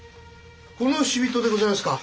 この死人でございますか？